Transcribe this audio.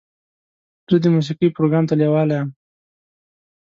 زه د موسیقۍ پروګرام ته لیواله یم.